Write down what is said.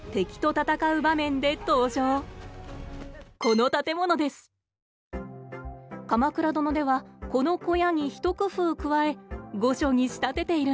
「鎌倉殿」ではこの小屋に一工夫加え御所に仕立てているんです。